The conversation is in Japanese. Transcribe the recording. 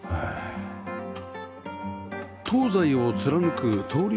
東西を貫く通り